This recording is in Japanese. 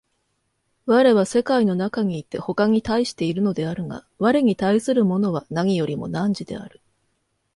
我は世界の中にいて他に対しているのであるが、我に対するものは何よりも汝である。